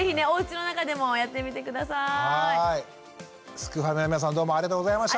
すくファミの皆さんどうもありがとうございました。